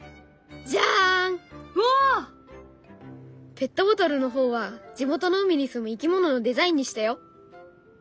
ペットボトルの方は地元の海に住む生き物のデザインにしたよ。